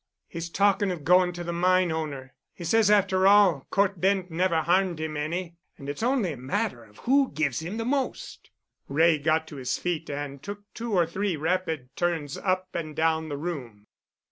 "He's talkin' of goin' to the mine owner. He says, after all, Cort Bent never harmed him any, and it's only a matter of who gives him the most." Wray got to his feet and took two or three rapid turns up and down the room.